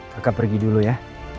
kakak pergi dulu ya